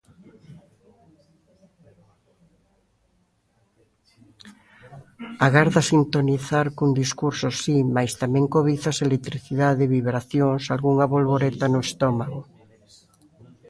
Agardas sintonizar cun discurso, si, mais tamén cobizas electricidade, vibracións, algunha bolboreta no estómago.